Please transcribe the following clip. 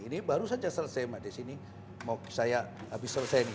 ini baru saja selesai mbak desy ini mau saya habis selesai ini